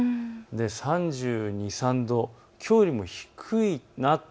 ３２、３３度、きょうよりも低いなと。